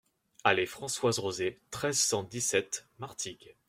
Allée Françoise Rosay, treize, cent dix-sept Martigues